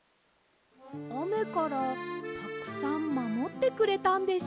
あめからたくさんまもってくれたんでしょうか？